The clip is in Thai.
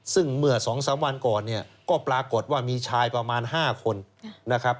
ซึ่งเมื่อ๒๓วันก่อนเนี่ยก็ปรากฏว่ามีชายประมาณ๕คนนะครับ